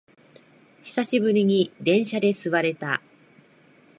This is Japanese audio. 久しぶりに電車で座れた